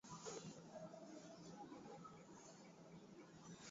halafu inafuata eneo la matuta ya mchanga